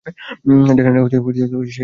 জানি না সে কী করবে!